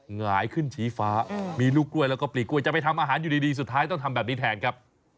หงายขึ้นชี้ฟ้ามีลูกกล้วยแล้วก็ปลีกล้วยจะไปทำอาหารอยู่ดีสุดท้ายต้องทำแบบนี้แทนครับ